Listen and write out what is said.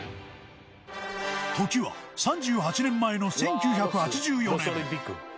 時は３８年前の１９８４年。